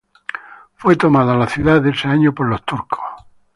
Fue tomada la ciudad ese año por los turcos.